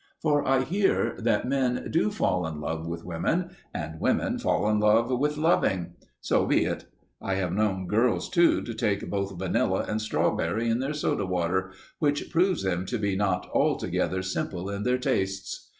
For I hear that men do fall in love with women, and women fall in love with loving. So be it. I have known girls, too, to take both vanilla and strawberry in their soda water, which proves them to be not altogether simple in their tastes.